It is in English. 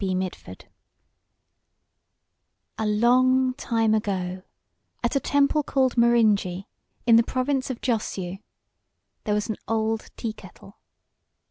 B. MITFORD A long time ago, at a temple called Morinji, in the province of Jhôsiu, there was an old teakettle.